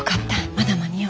まだ間に合う。